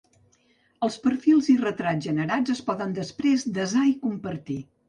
Els perfils i retrats generats es poden després desar i compartir.